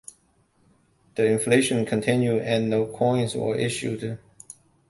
The inflation continued and no coins were issued.